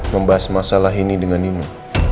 membahas masalah ini dengan ini